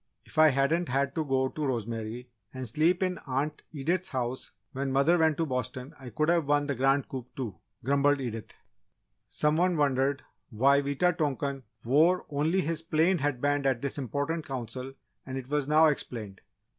_ Page 256] "If I hadn't had to go to Rosemary and sleep in Aunt Edith's house when mother went to Boston, I could have won that Grand coup, too!" grumbled Edith. Some one wondered why Wita tonkan wore only his plain head band at this important Council and it was now explained.